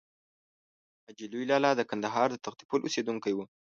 حاجي لوی لالا د کندهار د تختې پل اوسېدونکی و.